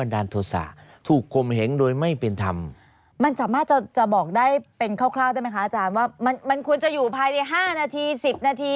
จะบอกได้เป็นคร่าวได้ไหมคะอาจารย์ว่ามันมันควรจะอยู่ภายใน๕นาที๑๐นาที